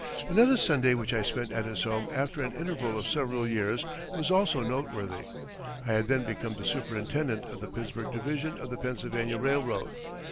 Another Sunday which I spent at his home after an interval of several years was also noteworthy. I had then become the superintendent of the Pittsburgh Division of the Pennsylvania Railroad.